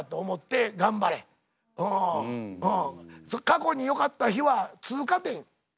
過去によかった日は通過点。